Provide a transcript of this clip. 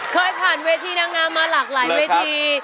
เคยผ่านเวทีนางงามมาหลากหลายเวที